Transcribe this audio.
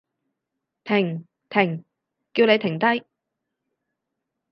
停！停！叫你停低！